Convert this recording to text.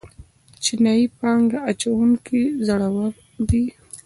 چینايي پانګه اچوونکي زړور دي.